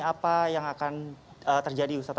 apa yang akan terjadi ustadz